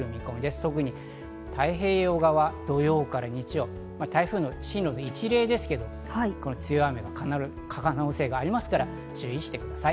特に太平洋側、土曜日から日曜、台風の進路の一例ですけど、強い雨が降る可能性がありますから注意してください。